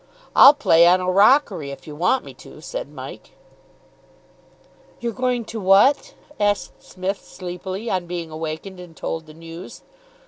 "I'll play on a rockery, if you want me to," said Mike. "You're going to what?" asked Psmith, sleepily, on being awakened and told the news.